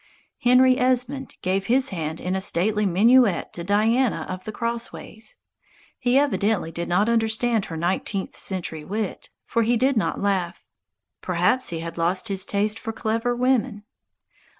Henry Esmond gave his hand in a stately minuet to Diana of the Crossways. He evidently did not understand her nineteenth century wit; for he did not laugh. Perhaps he had lost his taste for clever women.